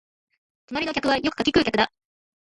隣の客は柿食う客だ